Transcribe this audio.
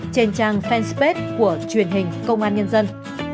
trên trang fan space của truyền hình công an nhân dân